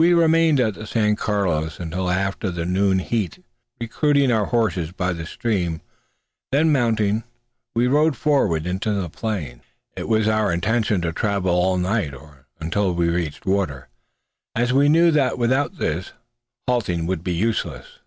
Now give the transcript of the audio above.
We remained at the San Carlos until after the noon heat, recruiting our horses by the stream; then mounting, we rode forward into the plain. It was our intention to travel all night, or until we reached water, as we knew that without this, halting would be useless.